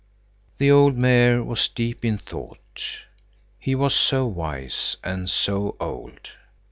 The old Mayor was deep in thought. He was so wise and so old.